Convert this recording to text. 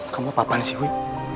kamu apa apaan sih wi